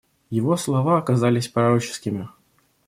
Его слова оказались пророческими.